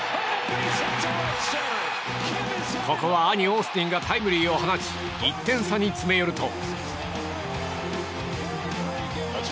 ここは兄オースティンがタイムリーを放ち１点差に詰め寄ると。